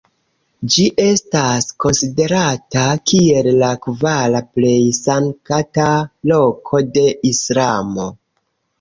Ĝi estas konsiderata kiel la kvara plej sankta loko de Islamo.